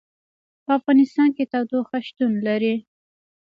په افغانستان کې تودوخه شتون لري.